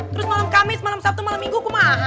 terus malam kamis malam sabtu malam minggu malam